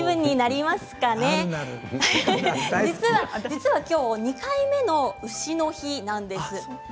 実はきょうは２回目の丑の日なんです。